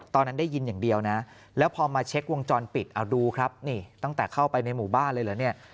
ตอนนั้นได้ยินอย่างเดียวนะแล้วพอมาเช็ควงจรปิดเอาดูครับนี่ตั้งแต่เข้าไปในหมู่บ้านเลยเหรอเนี่ย